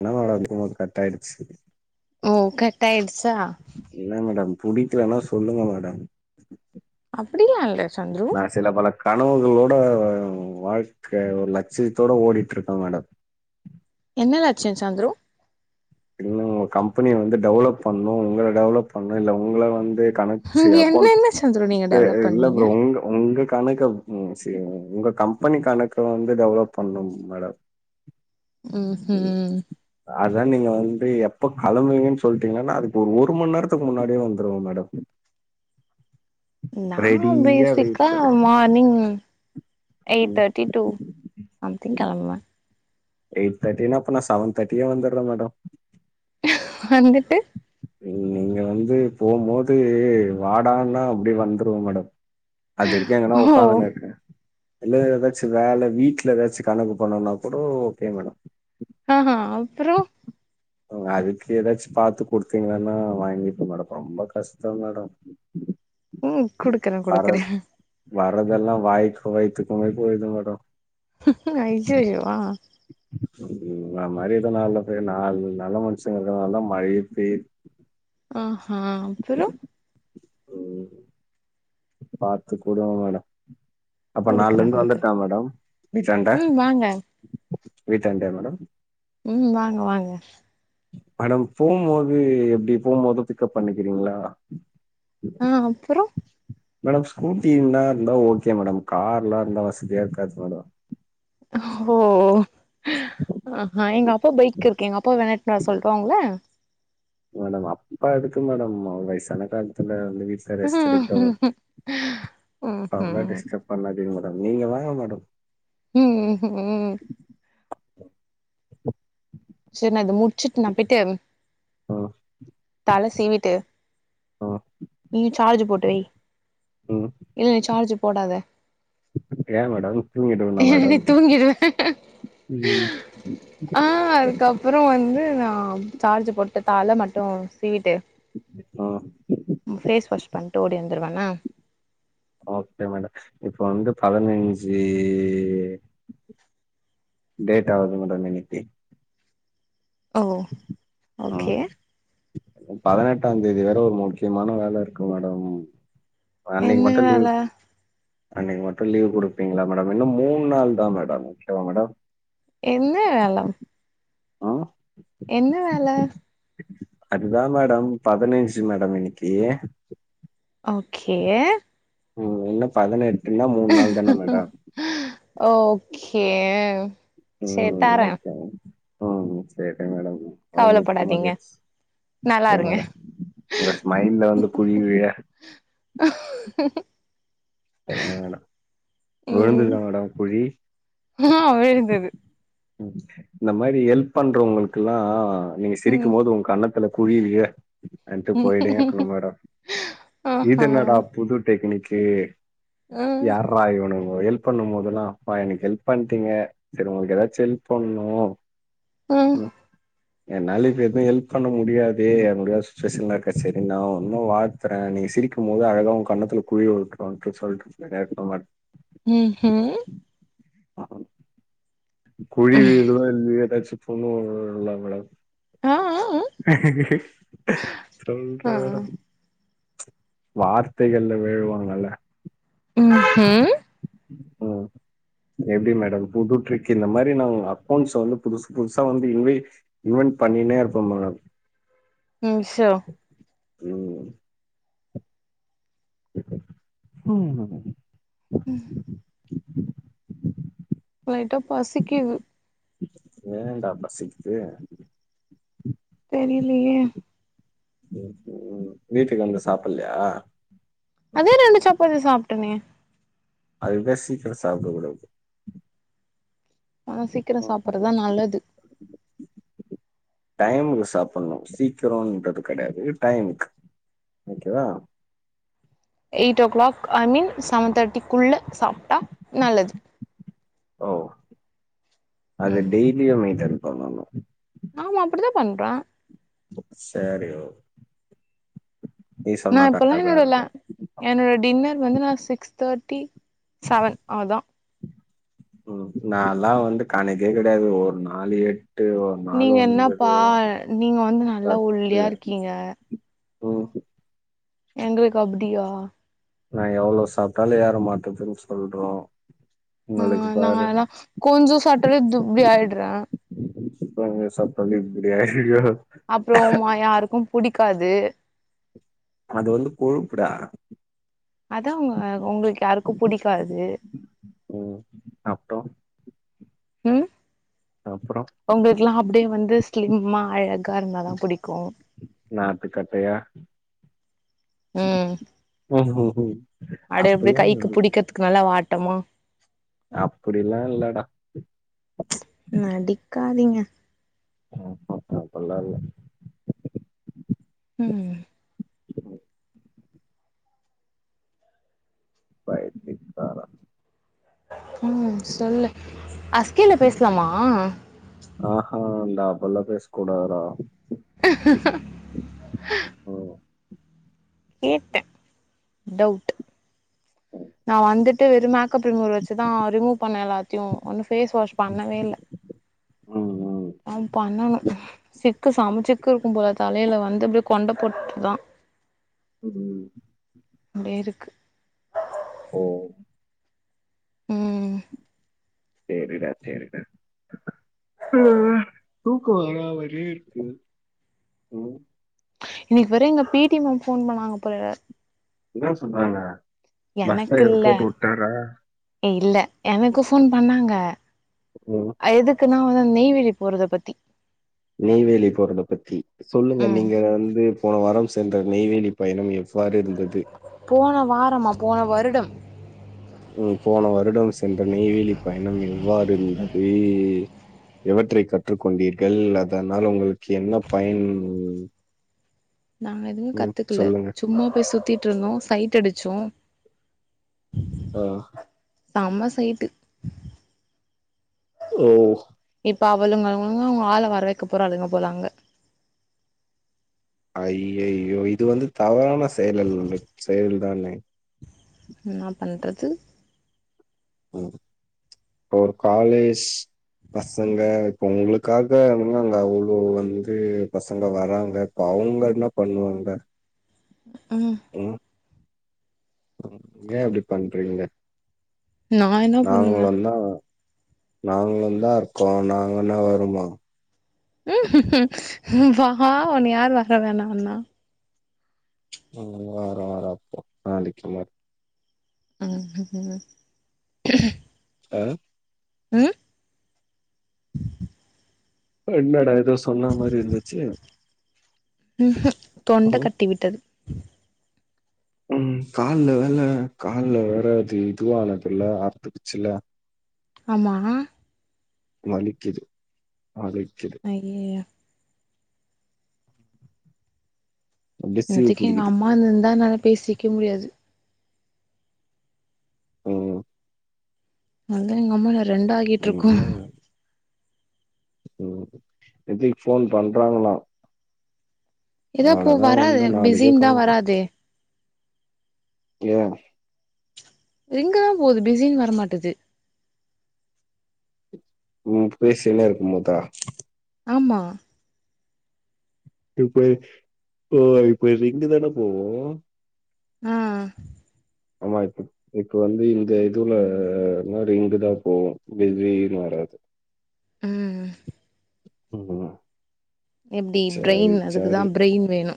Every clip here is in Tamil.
என்ன மேடம் எடுக்கம்போது கட் ஆயிடுச்சி ஓ கட் ஆயிடுச்சா என்னா மேடம் புடிக்கலனா சொல்லுங்க மேடம் அப்படிலா இல்ல சந்துரு நா சில பல கனவுகளோ வ வ வாழ்க்க ஒரு லட்சியத்தோட ஓடிட்ருக்க மேடம் என்னெலாச்சு சந்துரு இன்னு [unintelligible] கம்பெனிய வந்து டெவலப் பண்ணு உங்கள டெவலப் பண்ணு இல்ல உங்கள வந்து கணக் செ என்ன அக்கௌண் என்ன சந்துரு நீங்க த்து டெவலப் இல்ல பண்ணுவீங்க புரோ உங்க உங்க கணக்கப் சியு உங்க கம்பெனி கணக்க வந்து டெவலப் பண்ணும் மேடம் ம் ஹூ ரி எப்ப களம்புவிங்கன் சொல்ட்டீங்ன்னா நா அதுக்கு ஒரு ஒரு மண் நேரத்துக்கு முன்னாடியே வந்துருவ மேடம் நா ரெடியா வெயிட் பேசிக்கா பண்ண மார்னிங் எய்ட் தேட்டி டூ சம்திங் கெளம்புவே எயிட் தேட்டினா அப்ப நா செவன் தேட்டிகே வந்தர்றே மேடம் வந்துட்டு நீங் நீங்க வந்து போம்போது வாடான்னா அப்டியே வந்துருவ மேடம் அது வரிக்கு எங்கனா ஓ ஒக்காந்துனுருக்கே இல்ல த எதாச்சு வேல வீட்ல எதாச்சு கணக்கு பண்ணுன்னா கூட ஓக்கே மேடம் ஆஹா அப்றோ அ அதுக்கு எதாச்சு பாத்து குடுத்தீங்கன்னா வாங்கிப்ப மேடம் ரொம்ப கஷ்டோ மேடம் ம் குடுக்குறே குடுக்குறே வரத் வரதெல்லா வாய்க்கு வய்த்துக்குமே போயிற்து மேடம் ஐய்யய்யோ ஆ உங்கள மாரி எதோ நாலு பே நால் நல்ல மனுஷங்க இருக்கர்னாலதா மழையே பேய்து அஹா அப்புறோ ம் பாத்து குடுங்க மேடோ அப்ப குடுக்குறே நாள்லந்து குடுக்குறே வந்துர்ட்டா மேடம் பீச்சாண்ட ம் வாங்க வீட்டாண்டியா மேடம் ம் வாங்க வாங்க மேடம் போம்போது எப்டி போம்போதூ பிக்கப் பண்ணிக்கிறீங்களா ஆ அப்றோ மேடம் ஸ்கூட்டி இருந்தார்ந்தா ஓக்கே மேடம் கார்லா இருந்தா வசதியா இருக்காது மேடோ ஓ இப்போ பைக் இருக்கு எங்க அப்பா வேணாட் நா சொல்றாங்ல மேடம் அப்பா எதுக்கு மேடம் வயசான காலத்துல ல வீட்ல ரெஸ்ட் எடுக்கட்டு உங்கள ம் அவுங்ள ம் டிஸ்டப் பண்ணாதீங்க மே நீங்க வாங்க மேடம் ம் ம் செர் நா இது முட்சிட்டு நா போய்ட்டு ம் தல சீவிட்டு ம் நீ சார்ஜு போட்டுவை இல்ல நீ சார்ஜு போடாத ஏ மேடம் தூங்கிட்டிருந்தோ நீ மேடம் தூங்கிடுவ ம் வுவாம் சார்ஜு போட்டு தால மட்டு சீவிட்டு ம் ஃபேஸ் வாஷ் பண்ட்டு ஓடி வந்துருவே என்ன ஓக்கே மேட இப்ப வந்து பதினைஞ்சீ டேட்டாவுது மேடோ நினிப்பி ஓ ஓக்கே பதனெட்டாந்தேதி வேற ஒரு முக்கியமான வேலருக்கு மேடம் அன்னைக்கு என்ன மட்டு லீவ் வேல அன்னைக்கு மட்டு லீவ் குடுப்பீங்ளா மேடம் இன்னு மூண் நாள் தா மேடம் ஓக்கேவா மேடம் என்ன வேல ஆ என்ன வேல அதுதா மேடம் பதனெஞ்சு மேடம் இன்னிக்கு ஓக்கே ம் இன்னு பதனெட்டுன்னா மூண் நாள் தான மேடோ ஓக்கே செ ம். தரே ஓகே. ம் செரி மேடம் ரொம்ப மிக்க கவலப்படாதீங்க மகிழ்ச்சி. சரி நல்லாருங்க மேடம். உங்க ஸ்மைல்ல வந்து குழி விழ செரிங்க மேடோ ம் விழுந்துதா மேடம் குழி ஆ விழுந்தது இந்த மாரி எல்ப் பண்றவுங்குளுக்குல்லா நீங்க ம் சிரிக்கும் போது உங்கன்னத்துல குழிலியே அட்டு போய்டேருக்கணூ மேடோ இது என்னடா புது டெக்னிக் டே யார்ரா இவனுங் ஒ எல்ப் பண்ணும் போதெல்லா அப்பா எனக்கு எல்ப் பண்ட்டீங்க செர் உங்களுக்கு எதாச்சு எல்ப் பண்ணூ ம் என்னால இப்ப எதுவு எல்ப் பண்ண முடியாது என்னுடைய சுச்சுவேஷன்ல இருக்கே செரி நா உன்னோ வாழத்துறே நீ சிரிக்கும் போது அழகா உ கன்னத்துல குழி உட்ரூன்டு சொல்ட்டு நேருக் மாட் ம்ஹும் குழி விழுதோ இல்லையோ எதாச்சு [unintelligible] மேடம் சொல்றாரப் வார்த்தைகள்ல வெழுவாங்கல ம்ஹும் ம் எப்டி மேடம் புது ட்ரிக் இந்த மாரி நா அக்கௌண்ஸ் வந்து புதுசு புதுசா வந்து இன்வை ம் பன் பண்ணினே இருப்பே மேடம் ம் ஷோ ம் ம் லைட்டா பசிக்குது ஏன்டா பசிக்குது தெரிலியே ம் வீட்டுக்கு வந்து சாப்ட்லையா அதே ரெண்டு சப்பாத்தி சாப்ட்டேனே அதுக் தா சீக்கிர சாப்பிட கூடாது ஆனா சீக்கிர சாப்டுறதா நல்லது டைமுக்கு சாப்பிடணு சீக்கிரன்றது கடையாது டைமுக்கு ஓகே வா eight o'clock I mean seven தேர்ட்டிக்குள்ள சாப்டா நல்லது ஓ அது ம் டெய்லியுமே மெயின்டெய்ன் பண்ணனோ ஆமா அப்டிதா பண்ற சேரி ஓ நீ நா சொன்னா இப்பெல்லா கரெக்டாதா நா லா இருக்கு என்னோட டின்னர் வந்து நா சிக்ஸ் தேர்ட்டி செவன் அதா ம் நாளா வந்து கணக்கே கெடையாது ஒரு நாள் ஏ எட்டு ஒரு நாள் நீங்க ஒன்பது என்னப்பா ஒர் நாள் நீங்க வந்து நல்லா பத்து ஒல்லியா இருக்கீங்க ம் ஹு எங்களுக்கு அப்டியா நான் எவ்ளோ சாப்டாலு எற மாட்டேன்னு ஃபிரெண்ட் சொல்றா ஆ நா எல்லா கொஞ்சோ சாப்ட்டாலே [unintelligible] இப்டி ஆய்டுறா கொஞ்சோ சாப்ட்டாலே இப்டி ஆய்டு ப்ரோ அப்றோ உ மா யாருக்கு புடிக்காது ரொம்ப கொழுப்புடா அதா உங்க உங்களுக் யாருக்கு புடிக்காது ம் அப்றோ ம் அப்றோ உங்களுகெல்லா அப்டியே வந்து ஸ்லிம்மா அழா க்கா இருந்தாத புடிக்கோ நாட்டுக்கட்டையா ம் ம்ஹூம் அத அப்டியே அப்பல்லா கைக்கு இல்ல புடிக்கறதுக்கு நல்லா வாட் ட்டமா அப்டிலா இல்லடா நடிக்காதீங்க [unintelligible] அப்டில்லா இல்ல ம் பைத்தியக்காரா ம் சொல்லு அஸ்கின்னு பேசலாமா நா அப்டில்லா பேச கூடாதுதா ம் கேட் டவுட் நா வந்துட்டு வெறும் மேக்கப் ரிமூவர் வச்சுதா ரிமூவ் பண்ண எல்லாத்தையும் இன்னும் ஃபேஸ் வாஷ் பண்ணவே இல்ல ம் ம் அ பண்ணும் சிக்கு சம்பச்சிக்கு எப்பயும் போல தலையில வந்து இப்படிய கொண்ட போட்டு தா உம் இருக்கு ஓ உம் சரிடா சரிடா ஆ தூக்கம் வரா மாதிரியே இருக்கு உம் இன்னைக்கு வற அங்க பிடி மேம் போன் பண்ணாங்க போல என்ன சொன்னாங்க பஸ்ல எனக்கு இவரு இல்ல போட்டு வுட்டாரா இல்ல எனக்கு போன் பண்ணாங்க உம் நான் உன் நெய்வேலி போறத பத்தி நெய்வேலி போறத பத்தி சொல்லுங்க ம் நீங்க வந்து போன வாரம் சென்ற நெய்வேலி பயணம் எப்ப போன வாரமா போன வருடம் ம் போன வருடம் சென்ற நெய்வேலி பயணம் எவ்வாறுந்தது எவற்றை கற்று கொண்டீர்கள் அதனால் உங்களுக்கு என்ன பயன் நாங்க எதுவுமே ம் கத்துக்கல சொல்லுங்க சும்மா போய் சுத்திட்டு இருந்தோம் சைட் அடிச்சோ ஆ செம சைட்டு ஓ இப்ப அவளுங்கங்க அவங்க ஆள வர வைக்க போறளுங்க அங்க ஐயையோ இது வந்து தவறான செயலல் செயல் தானே இது ம் ஒரு காலேஜ் பசங்க இப்ப உங்களுக்காக அங்க அவ்வளவு வந்து பசங்க வராங்க பாப் அவங்க என்ன பண்ணுவாங்க ம் ஏன் இப்படி பண்றீங்க நா என்ன பண்ணுவே நாங்களு தான் நாங்களு தான் இருக்கோம் நாங்க என்ன வருமா ம் வா உன் யார் வர வேணாண்ணா ம் வற வற அப்போ நாளைக்கு [unintelligible] ஆ ம் என்னடா ஏதோ சொன்ன மாதிரி இருந்துச்சி தொண்டை கட்டி விட்டது ம் கால்ல வல கால்ல வற அது இதுவ ஆனதுல்ல அறுத்துக்குச்சி ல்ல ஆமா வலிக்குது வலிக்குது அய்யயோ அப்டியே சீவு இன்னத்துக்கு எங்க புடிக்குது அம்மா இருந்திருந்தா பேசிக்க முடியாது ம் அவ்ளோதா எங்க அம்மா என்ன ரெண்ட ஆகிட்டு இருக்கோ அதனால ம் நத்திக் போன் பண்றாங்களா ஏதா போ அவழதான் வராது வந்து நாலிகே பிஸின்னு தா கழது வராதே ஏ ரிங்கு தான் போது பிஸின்னு வரமாட்டது ம் பேசினே இருக்குமோதா ஆமா இப்ப ஓ இப்போ ரிங்கு தானே போவோ ஆ ஆமா இப்ப இப்ப வந்து இந்த இதுல என்ன ரிங்குதான் போவோ பிசினு வராது து ம் ம் ம் எப்டி சரி, பிரெயின் அதுக்குதா சரி. பிரெயின் வேணு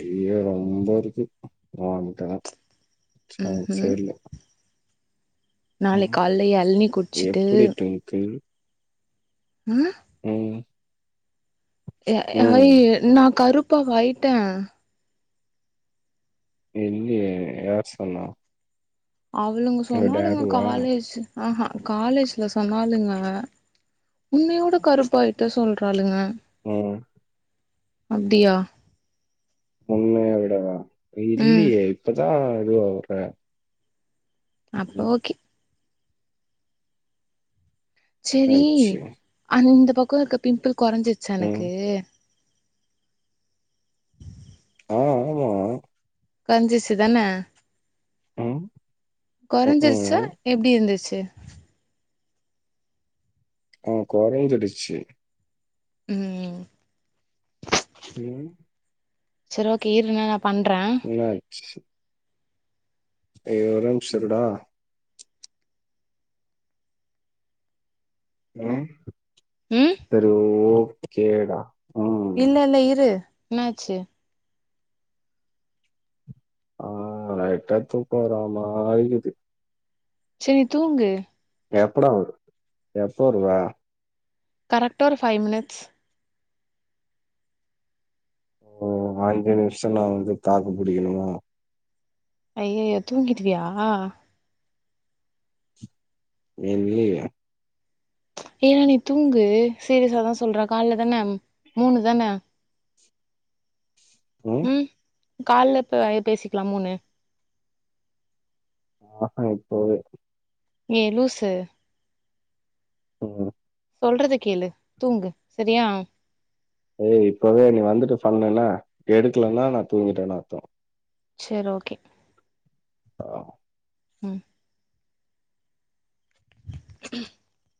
ஐய ரொம்ப இருக்கு ஓன்டதா சான்சே இல்ல நாளை கால்ல எளநி குடிச்சுட்டு எப்படி டிங்கிள்? ம் ம் ய ஆ ம். நா கருப்பாவா அயிட்டேன் இல்லியே யார் சொன்னா அவளுங்க உங்க சொன்னாலுங்க டாடிவா? காலேஜ் ஆஹா காலேஜ் இல சொன்னாலுங்க உன்னையோட கருப்பாயிட்ட சொல்றாளுங்க ம் அப்டியா முன்னய விடவா ம் இல்லியே இப்பதா இது ஆவுற அப்ப ஓகே செரி என்னாச்சு? அந்த பக்கோ இருக்க பிம்பிள் கொறஞ்சிருச்சா ம். எனக்கு ஆ ஆமா கொறஞ்சிருச்சு தான ம். கொறஞ்சிருச்சா ம்ஹ்ம். எப்டி இருந்துச்சி டு ஆ கொறஞ்ஜிடுச்சி ம் ம் சரி ஓகே இரு நான் அப் என்னாச்சு ஐயோ ஒரேநிமிஷ இருடா ம் ம் தரி ஓகேடா ம். இல்ல இல்ல இரு என்னாச்சு ஆ லைட்டா தூக்கோ வரமாரிக்குது செரி தூங்கு எப்படாவொ எப்போ வருவ கரெக்டா ஒருஃபைவ் மினிட்ஸ் ஓ அஞ்சு நிமிஷ நா வந்து தாக்கு புடிக்கனுமா ஐய்யயோ தூங்கிடுவியா இல்லியே ஏ நீ தூங்கு சீரியஸாதா சொல்ற கால்ல தான மூணு தான ம் கால்லப பேசிக்கலாம் மூணு ஆஹ இப்பவே ஏ லூசு ம் சொல்றத கேளு தூங்கு சரியா ஏய் இப்பவே நீ வந்துட்டு ஃபண்ணு என்னா எடுக்கலனா நா தூங்கிட்டேன்னு அர்த்தோ செர் ஓகே ஆ ம் [unintelligible]